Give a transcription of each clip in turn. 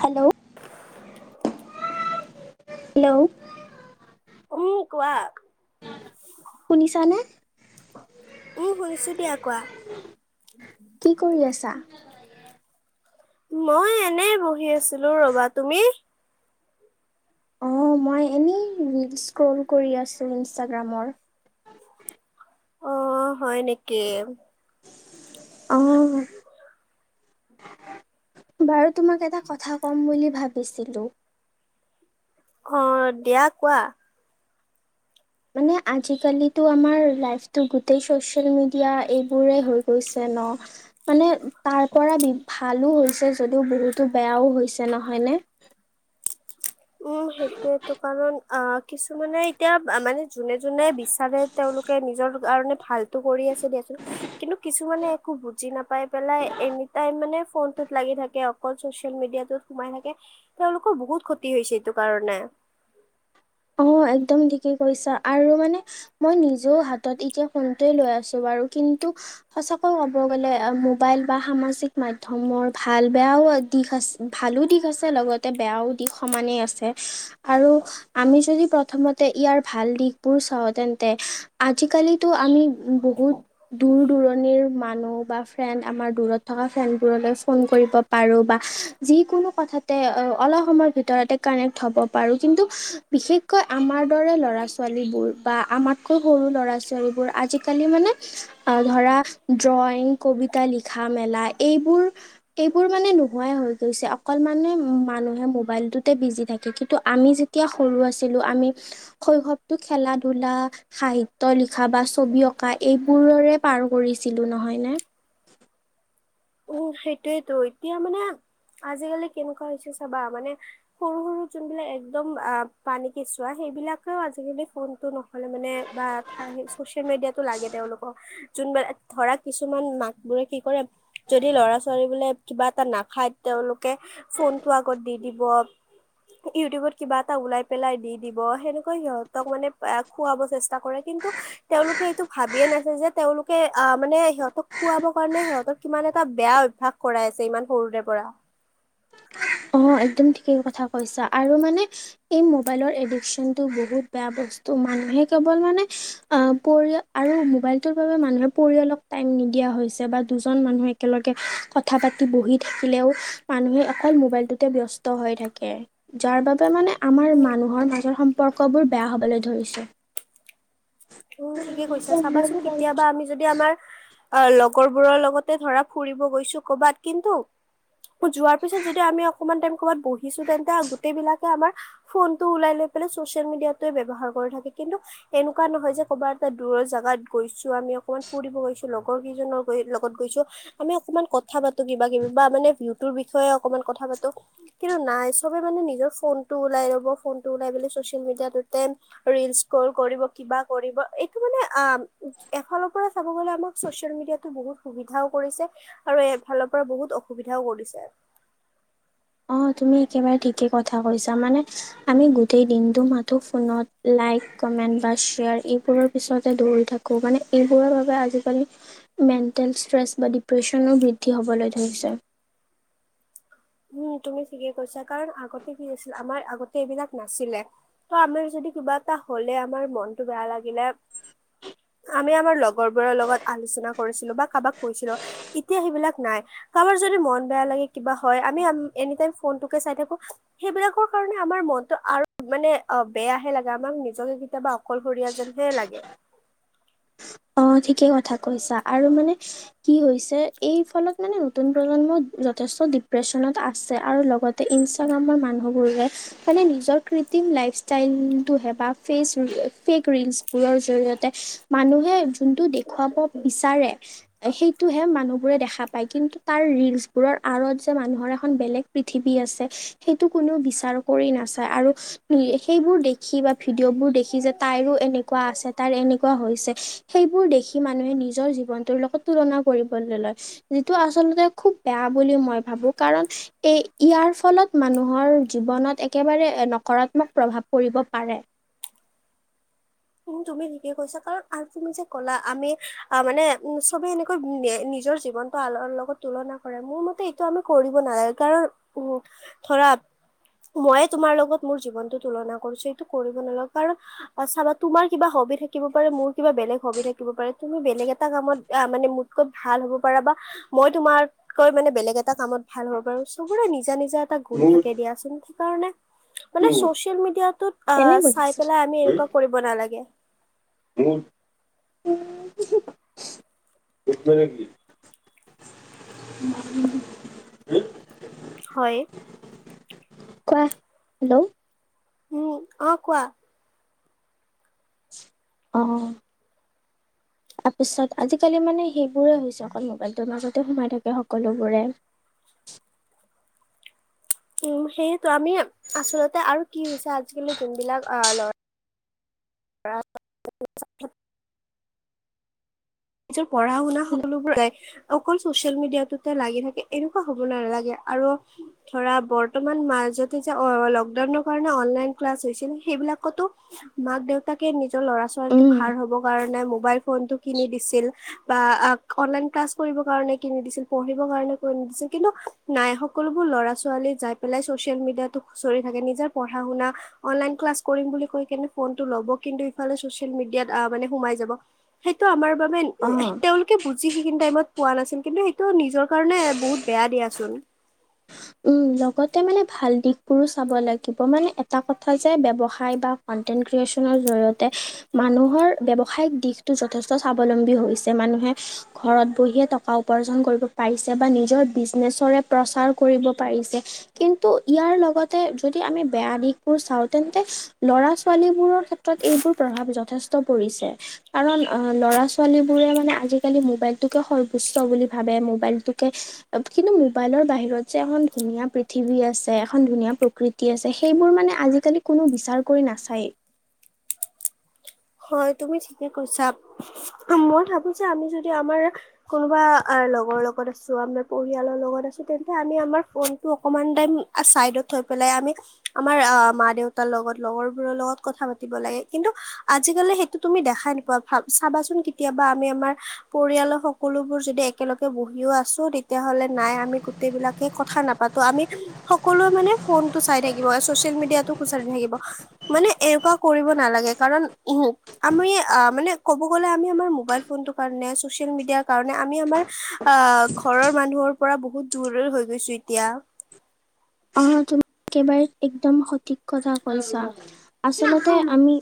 Hello, hello, ' উম, কোৱা। শুনিছানে উম শুনিছোঁ দিয়া কোৱা! কি কৰি আছা। মই এনে বহি আছিলো ৰবা তুমি। অঁ মই এনেই ৰীল্স স্ক্ৰল কৰি আছো। ইনষ্টাগ্ৰামৰ। অঁ হয় নেকি! অঁ। বাৰু তোমাক এটা কথা ক'ম বুলি ভাবিছিলোঁ। অঁ দিয়া কোৱা মানে আজিকালিটো আমাৰ লাইফষ্টাইল গোটেই চচিয়েল মিডিয়া এইবোৰেই হৈ গৈছে ন! অ', মানে তাৰ পৰা বি ভালো হৈছে যদিও বহুতো বেয়াও হৈছে নহয়নে? [inaudible] উম সেইটোয়েইতো কাৰণ অঁ কিছুমানে এতিয়া মানে যোনে যোনে বিচাৰে তেওঁলোকে নিজৰ কাৰণে ভালটো কৰি বুজিছোঁ দিয়াছোন কিন্তু কিছুমানে একো বুজি নাপাই পেলাই এনি টাইম মানে ফোনটোত লাগি থাকে। অকল ছচিয়েল মিডিয়াটোত সোমাই থাকে। তেওঁলোকৰ বহুত কি হৈছে এইটো কাৰণে। অ', একদম ঠিকেই কৈছা, আৰু মানে মই নিজেও হাতত এতিয়া ফোনটোয়ে লৈ আছোঁ বা আৰু কিন্তু সঁচাকৈ কব গ'লে আ মোবাইল বা সামাজিক মাধ্যমৰ ভাল বেয়াও দিশ আছে, ভালো দিশ আছে লগতে বেয়াও দিশ সমানেই আছে। আৰু, আমি যদি প্ৰথমতে ইয়াৰ ভাল দিশবোৰ চাওঁ তেন্তে আজিকালিতো আমি বহু বহুত দূৰ-দূৰণিৰ মানুহ বা ফ্ৰেণ্ড আমাৰ দূৰত থকা ফ্ৰেণ্ডবোৰলৈ ফোন কৰিব। আৰু বা, যিকোনো কথাতে অলপ সময়ৰ ভিতৰতে কানেক্ট হব পাৰোঁ কিন্তু বিশেষকৈ আমাৰ দৰে ল'ৰা-ছোৱালীবোৰ বা আমাতকৈ সৰু ল'ৰা-ছোৱালীবোৰ আজিকালি মানে, ধৰা ড্ৰয়িং, কবিতা লিখা মেলা এইবোৰ এইবোৰ মানে নোহোৱাই হৈ গৈছে অকল মানে মানুহে মোবাইলটোতে বিজি থাকে কিন্তু আমি যেতিয়া সৰু আছিলোঁ আমি, শৈশৱটো খেলা ধূলা, সাহিত্য লিখা, বা ছবি অঁকা এইবোৰৰে পাৰ কৰিছিলোঁ নহয়নে? উম, সেইটোৱেটো, এতিয়া মানে আজিকালি কেনেকুৱা হৈছে চাবা মানে, সৰু সৰু যোনবিলাক একদম আহ পানী কেঁচুৱা সেই সেইবিলাকো আজিকালি ফোনটো নহ'লে মানে বা [unintelligible] চচিয়েল মিডিয়াটো লাগে তেওঁলোকক। কোনবা, ধৰা কিছুমান মাকবোৰে কি কৰে যদি ল'ৰা ছোৱালীবিলাক কিবা এটা নাখায় তেওঁলোকে ফোনটো আগত দি দিব। ইউটিউবত কিবা এটা উলিয়াই পেলাই দি দিব, সেনেকৈ সিহঁতক মানে খুৱাব চেষ্টা কৰে কিন কিন্তু, তেওঁলোকে এইটো ভাবিয়ে নাচায় যে তেওঁলোকে আহ মানে সিহঁতক খুৱাব কাৰণে সিহঁতক কিমান এটা বেয়া অভ্যাস কৰাই আছে ইমান সৰুৰে পৰা। অ', একদম ঠিকেই কথা কৈছা আৰু মানে, এই মোবাইলৰ এডিকচনটো বহুত বেয়া বস স্তু মানুহে‌ কেৱল মানে, আহ পৰিয়াল আৰু মোবাইলটো বাৰু মানুহৰ পৰিয়ালটোক টাই দিয়া হৈছে বা দুজন মানুহে একেলগে কথা পাতি বহি থাকিলেও মানুহে মোবাইলটোতে ব্যস্ত হৈ থাকে, যাৰ বাবে মানে আমাৰ উম, মানুহৰ মাজৰ সম সম্পৰ্কবোৰ বেয়া হ'বলৈ ধৰিছে। উম, ঠিকে কৈছা চাবাচোন কেতিয়াবা আমি যদি আমাৰ অ', লগৰবোৰৰ লগতে ধৰা ফুৰিব গৈছোঁ কৰবাত কিন্তু যোৱাৰ পিছত যদি আমি অকমান টাইম ক'বাত বহিছো তেন্তে গোটেই বিলাকে আমাৰ, ফোনটো ওলাই লৈ পেলাই চচিয়েল মিডিয়াটোৱেই ব্যৱহাৰ কৰে থাকে। কিন্তু, এনেকুৱা নহয় যে ক'বাত এটা দূৰৰ জাগাত গৈছোঁ আমি অকণমান ফুৰিব গৈছোঁ লগৰ কেইজনৰ গৈ লগত গৈছোঁ, মানে অকমান কথা পাতো কিবা কিবি বা মানে ভিউটোৰ বিষয়ে অকমান কথা পাতো। কিন্তু নাই চবে মানে নিজৰ ফোনটো উলাই লব, ফোনটো উলায় মেলি চচিয়েল‌ মিডিয়াত টেন ৰীল স্ক্ৰ'ল কৰিব, কিবা কৰিব। এইটো মানে আ এফালৰ পৰা চাব গলে আমাক ছ'চিয়েল মিডিয়াতো বহুত সুবিধাও কৰিছে আৰু এইফালৰ পৰা বহুত অসুবিধাও কৰিছে। [inaudible] অ তুমি একেবাৰে ঠিকেই কথা কৈছা মানে আমি গোটেই দিনটো মাথো ফোনত লাইক কমেণ্ট বা শ্বেয়াৰ এইবোৰৰ পিছতে দৌৰি থাকো মানে এইবোৰৰ বাবে আজিকালি মেণ্টেল ষ্ট্ৰেছ বা ডিপ্ৰেচনো বৃদ্ধি হ'বলৈ ধৰিছে। উম তুমি ঠিকে কৈছা কাৰণ আগতে কি আছিল আমাৰ আগতে এইবিলাক নাছিলে ত আমি যদি বা এটা হ'লে আমাৰ মনটো বেয়া লাগিলে আমি আমাৰ লগৰবোৰৰ লগত আলোচনা কৰিছিলো বা কাৰোবাক কৈছিলো, এতিয়া সেইবিলাক নাই। কাৰোবাৰ যদি মন বেয়া লাগে কিবা হয় আমি এনি টাইম ফোনটোকে চাই থাকো সেইবিলাকৰ কাৰণে আমাৰ মনটো আৰু মানে বে বেয়াহে লাগে আমাক নিজকে কেতিয়াবা অকলশৰীয়া যেনহে লাগে। [inaudible] অ ঠিকে কথা কৈছা আৰু মানে কি হৈছে এই ফলত মানে নতুন প্ৰজন্ম য থেষ্ট ডিপ্ৰেচনত আছে আৰু লগতে ইনষ্টাগ্ৰামৰ মানুহবোৰে মানে নিজৰ কৃত্ৰিম লাইফ ষ্টাইলটোহে বা ফেচ ফেক ৰীলছবোৰৰ জৰিয়তে মানুহে যোনটো দেখুৱাব বিচাৰে সেইটোহে মানুহ বোৰে দেখা পায়। কিন্তু তাৰ‌ ৰীলছবোৰৰ আঁৰত যে মানুহৰ এখন পৃথিৱী আছে সেইটো কো নও‌ বিচাৰ কৰি নাচায় আৰু সেইবোৰ দেখি বা ভিডিঅ' বোৰ দেখি যে তাইৰো এনেকুৱা আছে তাৰ এনেকুৱা হৈছে সেইবোৰ দেখি মানুহে নিজৰ জীৱনটোৰ লগত তুলনা কৰিবলৈ লয় যিটো আচলতে খুব বেয়া কাম বুলি মই ভাবো কাৰণ এই ইয়াৰ ফলত মানুহৰ জীৱনত একেবাৰে নকৰা। এইবিলাক প্ৰভাৱ পৰিব পাৰে। তুমি ঠিকে কৈছা কাৰণ আৰু তুমি যে কলা আমি অহ মানে উম চবে এনেকৈ নিজৰ জীৱন। নটোৰ লগত তুলনা কৰে মোৰ মতে এইটো আমি কৰিব নালাগে কাৰণ উম ধৰা। ময়ে তোমাৰ লগত মোৰ জীৱনতো তুলনা কৰিছো এইটো কৰিব নালাগে কাৰণ চাবা। তোমাৰ কিবা হবি থাকিব পাৰে, মোৰ কিবা বেলেগ হবি থাকিব পাৰে, তুমি বেলেগ এটা কামত মানে মোতকে ভাল হ'ব পৰা বা মই তোমাতকৈ মানে বেলেগ এটা কামত ভাল হ'ব পাৰো। চবৰে নিজৰ নিজা নিজা এটা গুণ থাকে দিয়াচোন। সেই কাৰণে মানে চচিয়েল মিডিয়াটোত এনে চাই বুজিছোঁ পেলাই আমি এনেকুৱা কৰিব নালাগে। অ [unintelligible] [inaudible] [inaudible] হয়। কোৱা হেল্ল'। উম অ কোৱা অহ তাৰপিছত আজিকালি মানে সেইবোৰে হৈছে অকল মোবাইলটোৰ মাজতে সোমাই থাকে সকলোবোৰে। [inaudible] উম সেইয়েতো আমি আচলতে আৰু কি হৈছে আজিকালি যোনবিলাক আহ ল'ৰা [inaudible] নিজৰ পঢ়া-শুনা সকলোবোৰ য অকল ছ'চিয়েল মিডিয়াটোতে লাগি থাকে, এনেকুৱা হ'ব নালাগে। আৰু ধৰা বৰ্তমান মাজতে যে অ লকডাউনৰ কাৰণে অনলাইন ক্লাছ হৈছিল, সেইব সেইবিলাকটো মাক-দেউতাকে নিজৰ ল'ৰা-ছোৱালীটোক উম ভাল হ'বৰ কাৰণে মোবাইল ফোনটো কিনি‌ দি ছিল বা অনলাইন ক্লাছ কৰিবৰ কাৰণে কিনি দিছিল, পঢ়িবৰ কাৰণে কিনি দিছিল কিন্তু নাই সকলোবোৰ ল'ৰা-ছোৱালীৱে যায় পেলাই ছ'চিয়েল মিডিয়াটো খুচৰি থাকে, নিজৰ পঢ়া-শুনা, অনলাইন ক্লাছ কৰিম বুলি কৈ কিনে ফোনটো ল'ব কিন্তু ইফালে ছ'চিয়েল মিডিয়াত আ মানে সোমাই যাব, সেইটো আমাৰ বা অ তেওঁলোকে বুজি সেইখিনি টাইমত পোৱা নাছিল। কিন্তু তো নিজৰ কাৰণে বহুত বেয়া দিয়াচোন। উম। লগতে মানে ভাল দিশবোৰো চাব লাগিব, মানে এটা কথা যে ব্যৱসায় বা কন্টেন্ট ক্ৰিয়ে নৰ জৰিয়তে মানুহৰ ব্যৱসায়িক দিশটো যথেষ্ট স্বাৱলম্বী হৈছে, মানুহে ঘৰত বহিয়ে টকা উপাৰ্জন কৰিব পাৰিছে বা নিজৰ বিজনেচৰে প্ৰচাৰ কৰিব পাৰিছে কিন্তু ইয়াৰ লগতে যদি আমি বেয়া দিশবোৰ চাওঁ তেন্তে ল ল'ৰা-ছোৱালীবোৰৰ ক্ষেত্ৰত এইবোৰ প্ৰভাৱ যথেষ্ট পৰিছে। কাৰণ ল'ৰা-ছোৱালীবোৰে মানে আজিকালি মোবাইলটোকে সৰ্বোচ্চ বুলি ভাবে, মোবাইলটোকে কিন্তু মোবাইলৰ বাহিৰত যে এখন ধুনীয়া পৃথিৱী আছে, এখন ধুনীয়া প্ৰকৃতি আছে, সেইবোৰ মানে আজিকালি কোনো বিচাৰ কৰি ন নাচায়। হয় তুমি ঠিকে কৈছা, মই ভাবোঁ যে আমি যদি আমাৰ কোনোবা লগৰ লগত আছোঁ, আমাৰ পৰিয়ালৰ লগত আছোঁ, তেন্তে আমি আমাৰ ফোনটো অকণমান টাইম চাইডত থ পেলাই আমি আমাৰ আহ মা-দেউতাৰ লগত, লগৰবোৰৰ লগত কথা পাতিব লাগে। কিন্তু আজিকালি সেইটো তুমি দেখাই নোপোৱা, ভাৱ চাবাচোন কেতিয়াবা, আমি আমাৰ পৰিয়ালৰ সকলোবোৰ যদি একেলগে বহিও আছোঁ তেতিয়া হ'লে নাই আমি গোটেই বিলাকে কথা নাপাতো, আমি সকলোৱে মানে ফোন টো চাই থাকিব, ছ'চিয়েল মিডিয়াতটো খুচৰি থাকিব মানে এনেকুৱা কৰিব নালাগে কাৰণ উ আমি মানে ক'ব গ'লে আমি আমাৰ মোবাইল ফোনটোৰ কাৰণে, ছ'চিয়েল মিডিয়াৰ কাৰণে আমি আমাৰ অ ঘৰৰ মানুহৰ পৰা বহুত দূৰ হৈ গৈছোঁ। এতিয়া আহ তুমি একেবাৰে একদম সঠিক কথা কৈছা। আচলতে আমি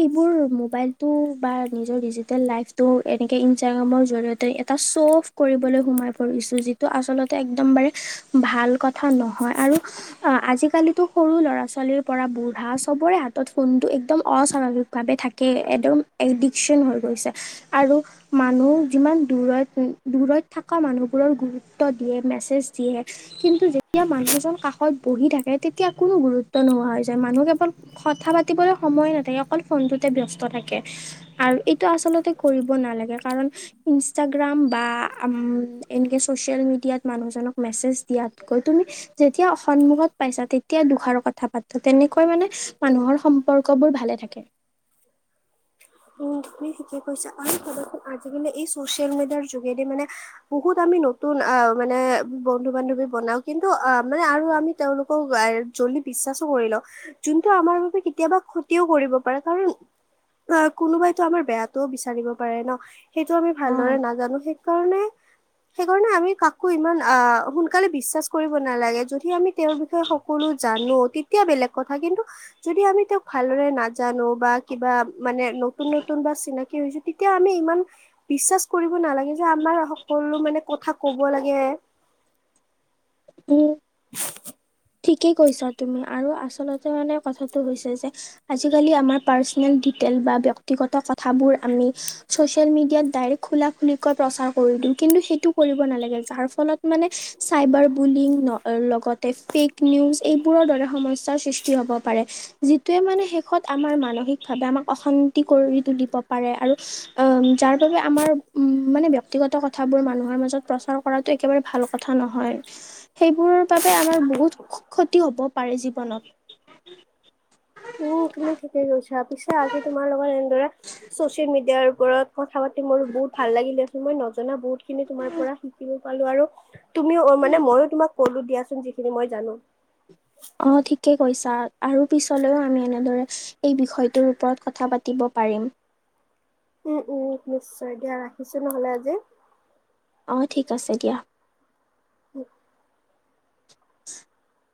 এইবোৰ মোবাইলটো বা নিজৰ ডিজিটেল লাইফটো এনেকে ইনষ্টাগ্ৰামৰ জৰিয়তে এটা শ্বো অফ কৰিবলৈ সোমাই পৰিছোঁ, যিটো আচলতে একদম মানে ভাল ক নহয় আৰু আজিকালিতো সৰু ল'ৰা-ছোৱালীৰ পৰা বুঢ়া চবৰে হাতত ফোনটো একদম অস্বাভাৱিকভাৱে থাকে, একদম এডিকচন হৈ গৈছে আৰু মানুহ যিমান দূৰত দূৰত থকা মানুহবোৰৰ গুৰুত্ব দিয়ে মেছেজ দিয়ে কিন্তু যে যেতিয়া মানুহজন কাষত বহি থাকে, তেতিয়া কোনো গুৰুত্ব নোহোৱা হৈ যায়। মানুহ কেৱল কথা পাতিবলৈ সময় নাথাকে, অকল ফোনটোতে ব্যস্ত থাকে আৰু এইটো আচলতে কৰিব নালাগে। কাৰণ ইনষ্টাগ্ৰাম বা এনেকৈ ছ'চিয়েল মিডিয়াত মানুহজনক মেছেজ দিয়াত গৈ তুমি যেতিয়া সন্মুখত পাইছা, তেতিয়া দুখাৰ কথা পাতোঁ তেনেকৈ মানে মানুহৰ সম সম্পৰ্কবোৰ ভালে থাকে। উম, তুমি ঠিকে কৈছা আৰু আজিকালি এই চচিয়েল মিডিয়াৰ যোগেদি মানে বহুত আ আমি নতুন আহ মানে বন্ধু বান্ধৱী বনাও। কিন্তু আহ মানে আৰু আমি তেওঁলোকক বিশ্বাসো কৰি লওঁ। যোনটো আমাৰ বাবে কেতিয়াবা ক্ষতিও কৰিব পাৰে। কাৰণ [inaudible] অ' কোনোবাইতো আমাৰ বেয়াতটোও বিচাৰিব পাৰে ন, সেইটো আমি অ ভালদৰে নাজানোঁ। সেইকাৰণে [inaudible] সেইকাৰণে আমি কাকো ইমান আহ সোনকালে বিশ্বাস কৰিব নালাগে যদি আমি তেওঁৰ বিষয়ে সকলো জান। জানোঁ তেতিয়া বেলেগ কথা। কিন্তু যদি আমি তেওঁক ভালদৰে নাজানোঁ বা কিবা মানে নতুন নতুন বা চিনাকি হৈছোঁ। তেতিয়া আমি ইমান বিশ্বাস কৰিব নালাগে যে আমাৰ সকলো কলো মানে কথা ক'ব লাগে। উম। [inaudible] ঠিকেই কৈছা তুমি আৰু আচলতে মানে কথাটো হৈছে যে আজিকালি আমাৰ পাৰ্চনেল ডি তেল বা ব্যক্তিগত কথাবোৰ আমি চচিয়েল মিডিয়াত ডাইৰেক্ট খোলা খুলিকৈ প্ৰচাৰ কৰি দিওঁ। কিন্তু সেইটো কৰিব নালাগে যাৰ ফলত মানে চাইবাৰ বুলিং লগতে ফেক নিউজ এইবোৰৰ দৰে সমস্যা সৃষ্টি হ'ব পাৰে। যিটোৱে মানে শেষত আমাৰ মানসিকভাৱে আমাৰ অশান্তি কৰি তুলিব পাৰে আৰু উম, যাৰ বাবে আমাৰ উম, মানে ব্যক্তিগত কথা কথাবোৰ মানুহৰ মাজত প্ৰচাৰ কৰাতোঁ। একেবাৰে ভাল কথা নহয় সেইবোৰ বাবে আমাৰ বহুত সু ক্ষতি হ'ব পাৰে জীৱনত। উম তুমি ঠিকে কৈছা পিছে আজি তোমাৰ লগত এনেদৰে চচিয়েল মিডিয়াৰ। ৰত কথা পাতি মোৰ বহুত ভাল লাগিলে আ মই নজনা বহুত খিনি তোমাৰ পৰা শিকিলো। পালো আৰু তুমিও মানে মইও তোমাক কলো দিয়াচোন যিখিনি মই জানো। অ', ঠিকে কৈছা আৰু পিছলেও আমি এনেদৰে এই বিষয়টোৰ ওপৰত কথা পাতিব। পাৰিম। উম উম নিশ্চয়, দিয়া ৰাখিছো নহলে আজি অ' ঠিক আছে দিয়া। উম। [inaudible]